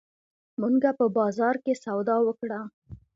مونږه په بازار کښې سودا وکړه